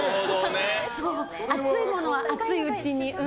熱いものは熱いうちに。